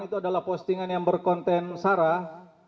itu adalah postingan yang berkonten sarah